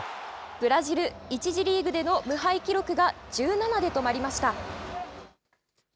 ブラジル、１次リーグでの無敗記録が１７で止まりました。